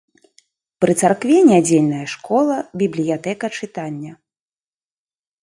Пры царкве нядзельная школа, бібліятэка-чытальня.